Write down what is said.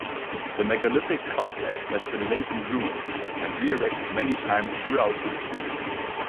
The megalithic complex has been laid in ruins and re-erected many times throughout history.